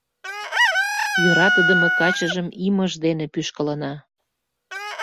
«Йӧратыдыме качыжым имыж дене пӱшкылына...»